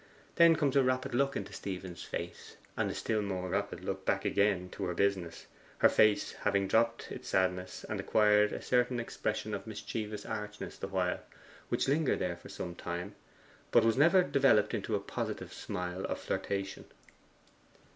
Then comes a rapid look into Stephen's face, and a still more rapid look back again to her business, her face having dropped its sadness, and acquired a certain expression of mischievous archness the while; which lingered there for some time, but was never developed into a positive smile of flirtation.